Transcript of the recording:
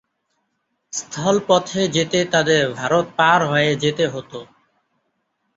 স্থলপথে যেতে তাদের ভারত পার হয়ে যেতে হত।